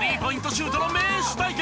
シュートの名手対決！